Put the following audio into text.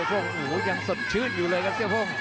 หงูยังสดชื่นอยู่เลยครับ